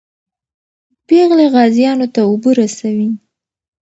پېغلې غازیانو ته اوبه رسوي.